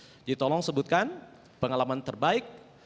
jadi tolong sebutkan pengalaman terbaik